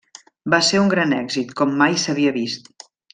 Va ser un gran èxit, com mai s'havia vist.